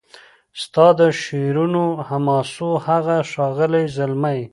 ستا د شعرونو حماسو هغه ښاغلی زلمی